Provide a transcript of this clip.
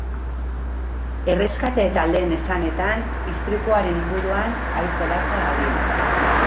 Erreskate taldeen esanetan, istripuaren inguruan haize latza dabil.